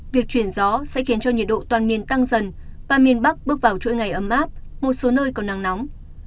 việc chuyển gió sẽ khiến cho nhiệt độ toàn miền tăng dần và miền bắc bước vào chuỗi ngày ấm áp một số nơi có nắng nóng